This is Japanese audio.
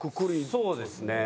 そうですね。